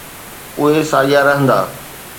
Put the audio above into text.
اهي ساڳيا رهندا.